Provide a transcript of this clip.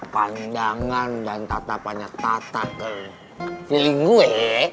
pandangan dan tata banyak tata ke feeling gue